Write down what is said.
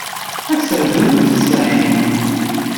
Aserdun ur t-sεin.